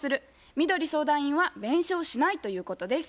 みどり相談員は「弁償しない」ということです。